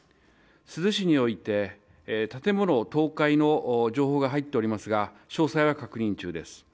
珠洲市において、建物倒壊の情報が入っておりますが詳細は確認中です。